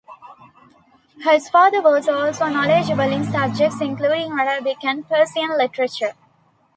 His father also was knowledgeable in subjects including Arabic and Persian literature.